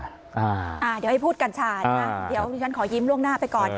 เดี๋ยวให้พูดกัญชานะ